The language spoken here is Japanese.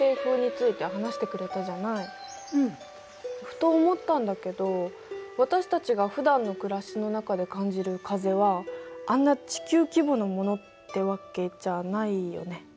ふと思ったんだけど私たちがふだんの暮らしの中で感じる風はあんな地球規模のものってわけじゃないよね？